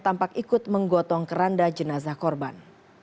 tampak ikut menggotong keranda jenazah korban